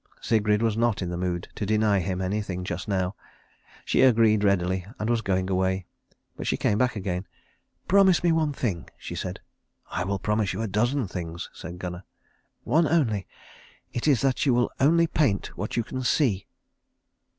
Sigrid was not in the mood to deny him anything just now. She agreed readily, and was going away. But she came back again. "Promise me one thing," she said. "I will promise you a dozen things," said Gunnar. "One only. It is that you will only paint what you can see."